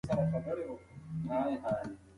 رسنۍ په هره ټولنه کې د مهمو خبرونو لومړنۍ سرچینه ده.